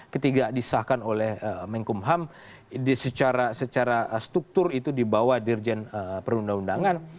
ketika disahkan oleh menkumham secara struktur itu di bawah dirjen perundang undangan